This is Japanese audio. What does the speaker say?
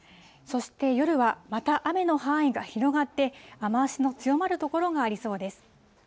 そして夜はまた雨の範囲が広がって、雨足の強まる所がありそうです。